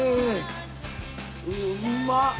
うまっ。